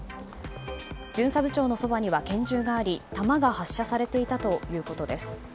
巡査部長のそばには拳銃があり弾が発射されていたということです。